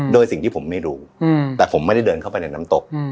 โดยสิ่งที่ผมไม่รู้แต่ผมไม่ได้เดินเข้าไปในน้ำตก